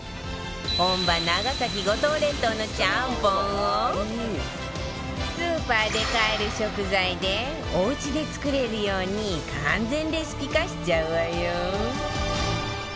本場長崎五島列島のちゃんぽんをスーパーで買える食材でおうちで作れるように完全レシピ化しちゃうわよ